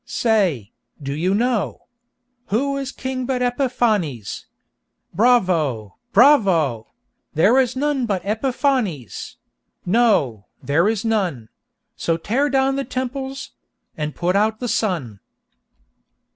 Say—do you know? Who is king but Epiphanes? Bravo!—bravo! There is none but Epiphanes, No—there is none: So tear down the temples, And put out the sun!